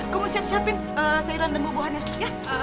kamu siap siapin sayuran dan buah buahannya ya